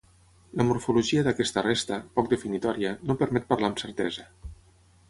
La morfologia d'aquesta resta -poc definitòria- no permet parlar amb certesa.